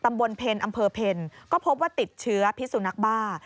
เต็มบนเพลอำเภอเพลก็พบติดเชื้อพิษสูนักบ้า